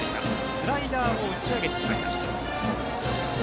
スライダーを打ち上げてしまいました。